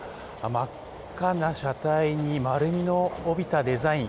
真っ赤な車体に丸みを帯びたデザイン。